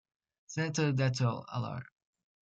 Senator Dato' Ir.